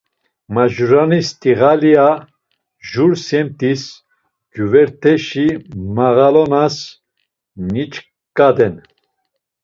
Majurani stiğalia, jur semtis gyuverteşi mağalonas niç̌ǩaden.